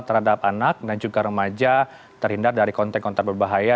terhadap anak dan juga remaja terhindar dari konten konten berbahaya